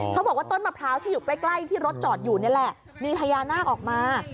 เขาบอกว่าต้นมะพร้าวที่อยู่ใกล้ที่รถจอดอยู่นี่แหละมีพญานาคออกมา